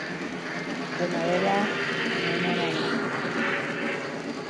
Dena dela, zifra horiek ez dute jasotzen ospitaleetatik kanpoko heriotzak.